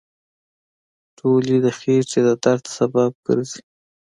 ټولې د خېټې د درد سبب ګرځي.